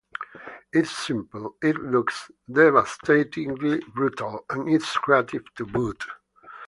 It's simple, it looks devastatingly brutal, and it's creative to boot.